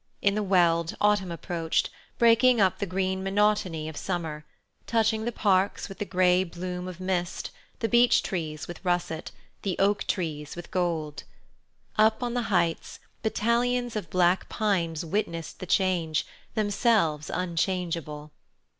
In the Weald, autumn approached, breaking up the green monotony of summer, touching the parks with the grey bloom of mist, the beech trees with russet, the oak trees with gold. Up on the heights, battalions of black pines witnessed the change, themselves unchangeable.